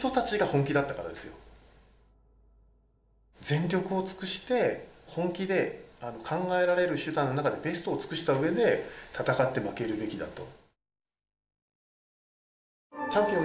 全力を尽くして本気で考えられる手段の中でベストを尽くしたうえで戦って負けるべきだと。